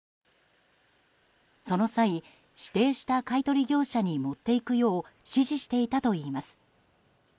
その際、指定した買い取り業者に持っていくよう指示していたといいます。